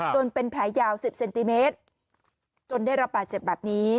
จนเป็นแผลยาว๑๐เซนติเมตรจนได้รับบาดเจ็บแบบนี้